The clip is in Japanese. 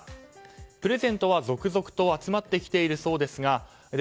プレゼントは続々と集まってきているそうですがで